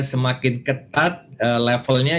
semakin ketat levelnya